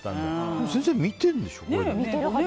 でも先生、見てるでしょ。